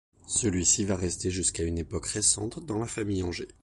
Celui-ci va rester jusqu'à une époque récente dans la famille Anger.